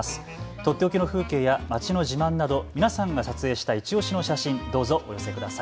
とっておきの風景や街の自慢など皆さんが撮影したいちオシの写真、お待ちしています。